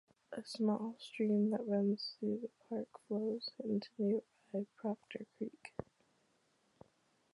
A small stream that runs through the park flows into nearby Proctor Creek.